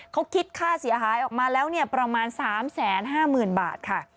เขาคิดค่าเสียหายออกมาแล้วประมาณ๓๕๐๐๐บาทค่ะ